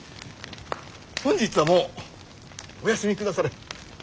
本日はもうお休みくだされ。